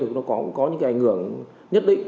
nó cũng có những ảnh hưởng nhất định